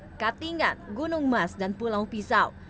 antara lain palangkaraya katingan gunung mas dan pulau pisau